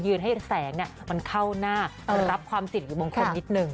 คือให้แสงมันเข้าหน้ารับความสิทธิบนคนนิดนึง